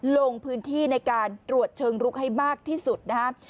ลงพื้นที่ในการตรวจเชิงลุกให้มากที่สุดนะครับ